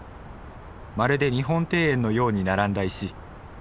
まるで日本庭園のように並んだ石。